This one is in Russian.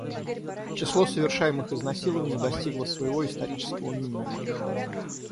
Число совершаемых изнасилований достигло своего исторического минимума.